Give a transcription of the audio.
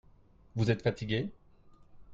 Vous êtes fatigué ?